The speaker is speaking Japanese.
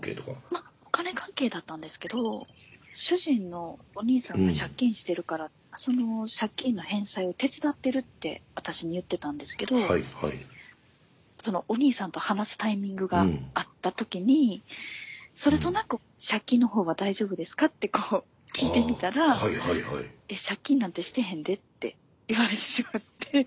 まお金関係だったんですけど主人のお兄さんが借金してるからその借金の返済を手伝ってるって私に言ってたんですけどそのお兄さんと話すタイミングがあった時にそれとなく借金の方は大丈夫ですかってこう聞いてみたら「え借金なんてしてへんで」って言われてしまって。